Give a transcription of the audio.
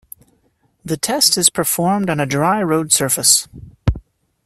The test is performed on a dry road surface.